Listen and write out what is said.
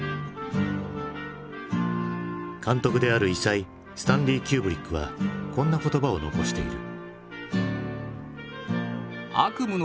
監督である異才スタンリー・キューブリックはこんな言葉を残している。